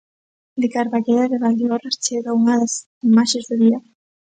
De Carballeda de Valdeorras chega unha das imaxes do día.